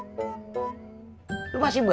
masih banyak pertanyaannya emang kenapa